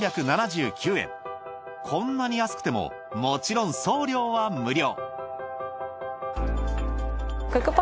こんなに安くてももちろん送料は無料！